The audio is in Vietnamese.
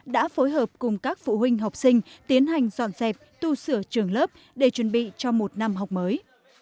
đã phối hợp cùng các phụ huynh học sinh tiến hành dọn dẹp tu sửa trường lớp để chuẩn bị cho một năm học mới